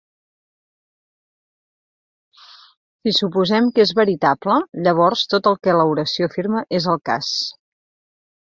Si suposem que és veritable, llavors tot el que l'oració afirma és el cas.